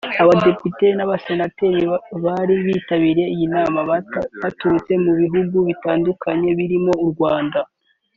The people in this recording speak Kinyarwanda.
Abadepite n’abasenateri bari bitabiriye iyi nama baturutse mu bihugu bitandukanye birimo u Rwanda